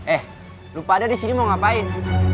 eh lo pada disini mau ngapain